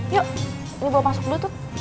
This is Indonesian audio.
yuk ini bawa masuk dulu tuh